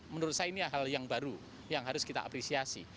menurut saya ini hal yang baru yang harus kita apresiasi